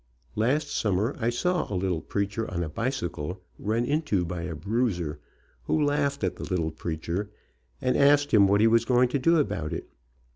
Last summer I saw a little preacher on a bicycle run into by a bruiser, who laughed at the little preacher and asked him what he was going to do about it.